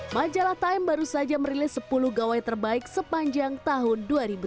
majalah time baru saja merilis sepuluh gawai terbaik sepanjang tahun dua ribu sembilan belas